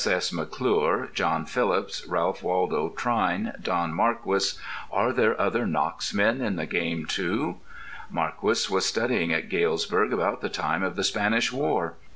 S.S. McClure, John Phillips, Ralph Waldo Trine, Don Marquis—are there other Knox men in the game, too? Marquis was studying at Galesburg about the time of the Spanish War.